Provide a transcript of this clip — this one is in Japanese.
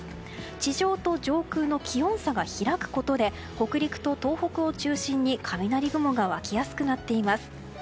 地上と上空の気温差が開くことで北陸と東北を中心に雷雲が湧きやすくなっています。